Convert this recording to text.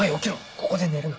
ここで寝るな。